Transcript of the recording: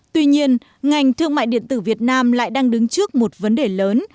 tuy nhiên ngành thương mại điện tử việt nam lại đang đứng trước một vấn đề lớn